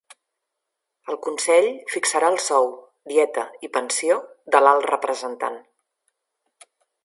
El Consell fixarà el sou, dieta i pensió de l'Alt Representant.